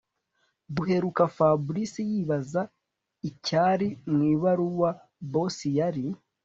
Duheruka Fabric yibaza icyiri mwibaruwa boss yari